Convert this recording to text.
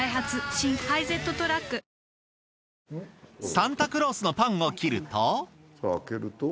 サンタクロースのパンを切るとさぁ開けると？